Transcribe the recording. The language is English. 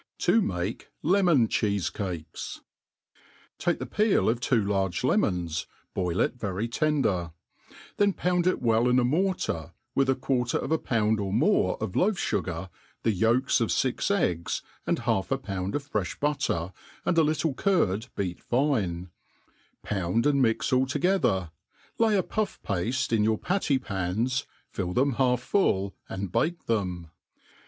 To mate Lemon Cheejicaies* TAKE the peel of two large lemons, boil it very tender ; then pound it well in a mortar, with a quarter of a pound or more of loaf fugar, the yolks of fix eggs, and half a pound of frefh butter, and a little curd beat fine ; pound and mix all to j;ether, lay a pufF pafte in your patty pans, fill them half full, and bake them.